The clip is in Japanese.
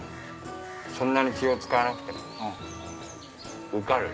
そんなに気を使わなくても受かるよ。